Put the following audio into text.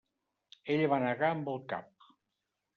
Ella va negar amb el cap.